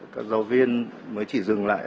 các giáo viên mới chỉ dừng lại